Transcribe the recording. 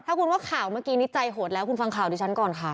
ถ้าคุณว่าข่าวเมื่อกี้นี้ใจโหดแล้วคุณฟังข่าวดิฉันก่อนค่ะ